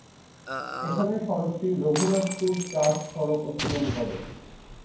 এখানে সড়কটি রঘুনাথপুর-চাস সড়ক অতিক্রম করে।